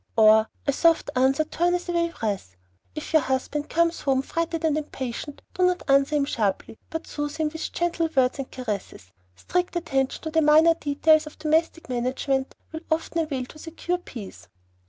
Or: "'A soft answer turneth away wrath.' If your husband comes home fretted and impatient, do not answer him sharply, but soothe him with gentle words and caresses. Strict attention to the minor details of domestic management will often avail to secure peace."